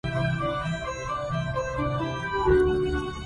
إذا ما لقيتم راكبا متعمما